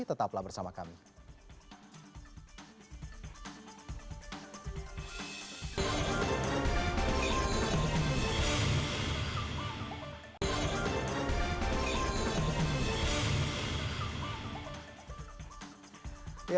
tetaplah bersama kami